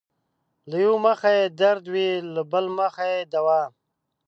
له يؤه مخه يې درد وي له بل مخه يې دوا